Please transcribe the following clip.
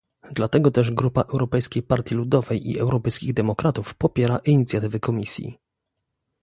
Dlatego też Grupa Europejskiej Partii Ludowej i Europejskich Demokratów popiera inicjatywy Komisji